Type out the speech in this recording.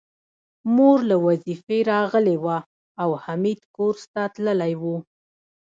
مور له وظيفې راغلې وه او حميد کورس ته تللی و